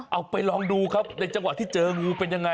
เอาไปลองดูครับในจังหวะที่เจองูเป็นยังไง